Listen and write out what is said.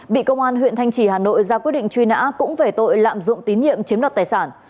bị công an huyện thanh trì hà nội ra quyết định truy nã cũng về tội lạm dụng tín nhiệm chiếm đoạt tài sản